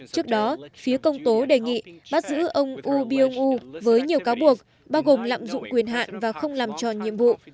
trước đó phía công tố đề nghị bắt giữ ông woo byung woo với nhiều cáo buộc bao gồm lạm dụng quyền hạn và không làm tròn nhiệm vụ